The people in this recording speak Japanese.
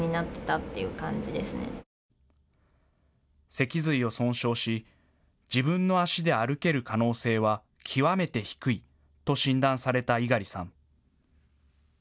脊髄を損傷し、自分の足で歩ける可能性は極めて低いと診断された猪狩さん。